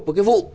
một cái vụ